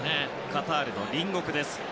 カタールの隣国です